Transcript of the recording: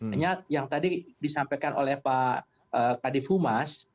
hanya yang tadi disampaikan oleh pak kadif humas